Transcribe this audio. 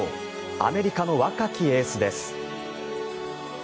アメリカの若きエースです。